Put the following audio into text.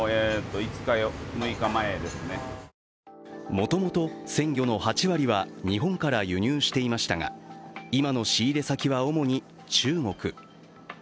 もともと鮮魚の８割は日本から輸入していましたが今の仕入れ先は主に中国。